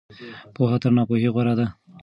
پوهه تر ناپوهۍ غوره ده.